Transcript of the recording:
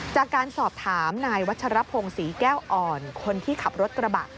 จากการสอบถามนายวัชรพงศรีแก้วอ่อนคนที่ขับรถกระบะ